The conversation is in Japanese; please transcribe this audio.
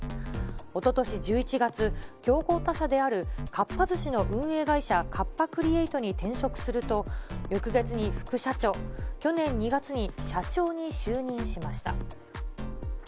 おととし１１月、競合他社であるかっぱ寿司の運営会社、カッパ・クリエイトに転職すると、翌月に副社長、去年２月に社長に就任しました。